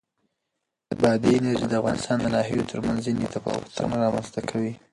بادي انرژي د افغانستان د ناحیو ترمنځ ځینې تفاوتونه رامنځ ته کوي.